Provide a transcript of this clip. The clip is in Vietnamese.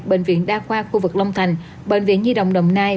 bệnh viện đa khoa khu vực long thành bệnh viện nhi đồng đồng nai